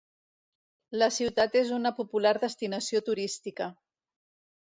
La ciutat és una popular destinació turística.